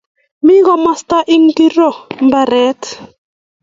Mi komasta ingoro mbaret?